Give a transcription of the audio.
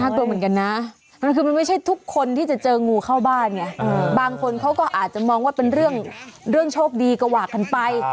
กลัวเหมือนกันนะมันคือมันไม่ใช่ทุกคนที่จะเจองูเข้าบ้านไงบางคนเขาก็อาจจะมองว่าเป็นเรื่องโชคดีก็ว่ากันไป